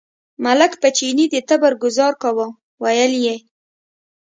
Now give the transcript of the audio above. ملک په چیني د تبر ګوزار کاوه، ویل یې.